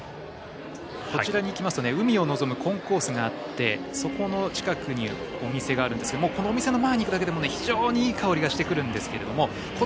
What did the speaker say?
こちらに来ますと海を望むコンコースがあってそこの近くにお店がありますがこのお店の前に来るだけでも非常にいい香りがしてきます。